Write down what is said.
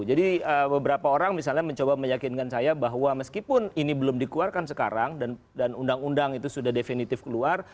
jadi beberapa orang misalnya mencoba meyakinkan saya bahwa meskipun ini belum dikeluarkan sekarang dan undang undang itu sudah definitif keluar